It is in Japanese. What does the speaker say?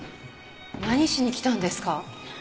何しに来たんですか？